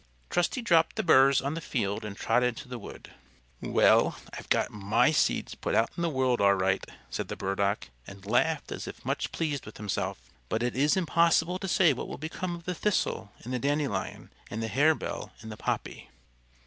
Trusty dropped the burs on the field and trotted to the wood. "Well, I've got my seeds put out in the world all right," said the Burdock, and laughed as if much pleased with itself; "but it is impossible to say what will become of the Thistle and the Dandelion, and the Harebell and the Poppy."